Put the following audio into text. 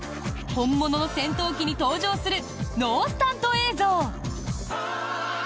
本物の戦闘機に搭乗するノースタント映像！